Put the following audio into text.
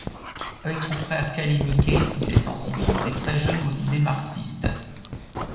Avec son frère Kaléniké, il est sensibilisé très jeune aux idées marxistes.